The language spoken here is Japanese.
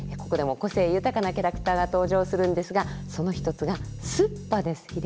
ここでも個性豊かなキャラクターが登場するんですがその一つがすっぱです。